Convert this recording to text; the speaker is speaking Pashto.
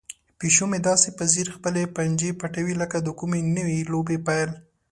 پیشو مې داسې په ځیر خپلې پنجې پټوي لکه د کومې نوې لوبې پیل.